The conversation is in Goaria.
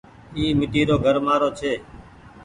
اي ميٽي رو گهر مآرو ڇي۔